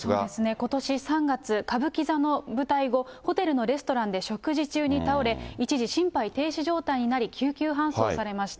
ことし３月、歌舞伎座の舞台後、ホテルのレストランで食事中に倒れ、一時、心肺停止状態になり、救急搬送されました。